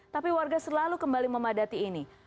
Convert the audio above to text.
tapi warga selalu kembali memadati ini